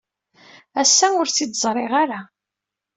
Ass-a, ur tt-id-ẓriɣ ara.